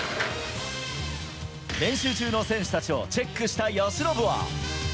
練習中の選手たちをチェックした由伸は。